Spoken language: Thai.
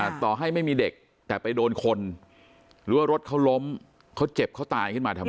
ต่อให้ไม่มีเด็กแต่ไปโดนคนหรือว่ารถเขาล้มเขาเจ็บเขาตายขึ้นมาทำไม